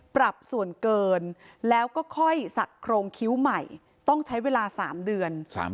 ปรับส่วนเกินแล้วก็ค่อยสักโครงคิ้วใหม่ต้องใช้เวลา๓เดือน